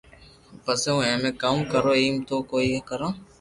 پسي ھون اي مي ڪاوُ ڪرو ايم تو ڪوئي ڪرو